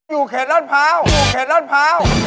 อยู่เกษร้อนเผ้า